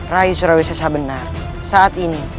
rai surawi sessa benar saat ini